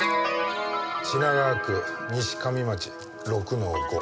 品川区西上町６の５。